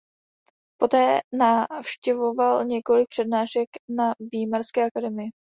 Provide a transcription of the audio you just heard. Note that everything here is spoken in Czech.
Poté navštěvoval několik přednášek na Výmarské akademii.